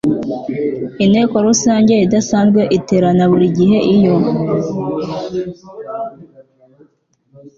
inteko rusange idaasanzwe iterana buri gihe iyo